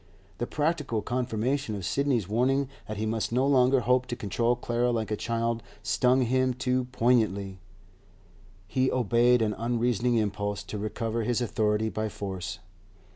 The practical confirmation of Sidney's warning that he must no longer hope to control Clara like a child stung him too poignantly; he obeyed an unreasoning impulse to recover his authority by force.